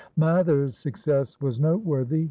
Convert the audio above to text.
Mather's success was noteworthy.